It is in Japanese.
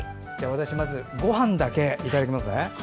まずごはんだけいただきますね。